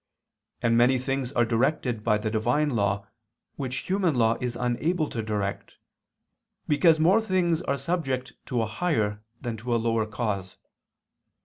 And many things are directed by the Divine law, which human law is unable to direct, because more things are subject to a higher than to a lower cause.